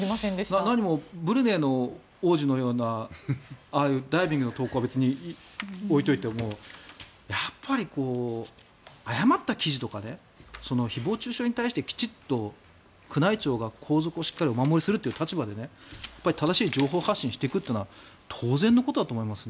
何もブルネイの王子のようなダイビングの投稿は置いておいてもやっぱり誤った記事とかで誹謗・中傷に対してきちんと宮内庁が皇族をお守りするという立場で正しい情報発信をしていくというのは当然だと思いますね。